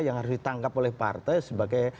yang harus ditangkap oleh partai sebagai